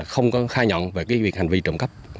không có khai nhận về cái việc hành vi trộm cắp